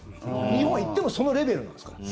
日本はいってもそのレベルなんですから。